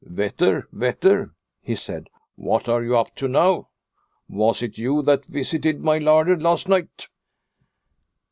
" Vetter, Vetter !" he said, " what are you up to now ? Was it you that visited my larder last night